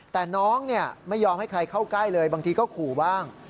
แต่น้องไม่ยอมให้ใครเข้าใกล้เลยบางทีก็ขู่บ้าง